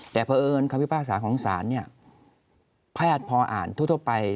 แต่เพราะเอิญคำพิพากษาของศาลเนี่ยแพทย์พออ่านทั่วไป